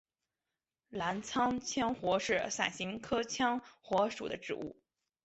澜沧羌活是伞形科羌活属的植物。